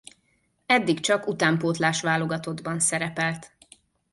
Eddig csak utánpótlás-válogatottban szerepelt.